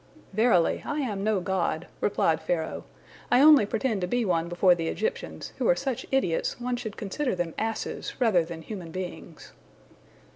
"Verily, I am no god," replied Pharaoh, "I only pretend to be one before the Egyptians, who are such idiots, one should consider them asses rather than human beings."